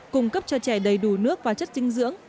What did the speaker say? cung cấp cho trẻ đầy đủ nước và chất dinh dưỡng